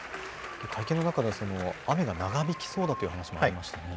会見の中では雨が長引きそうだという話もありましたね。